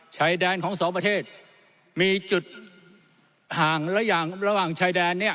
ชายแดนของสองประเทศมีจุดห่างระหว่างชายแดนเนี่ย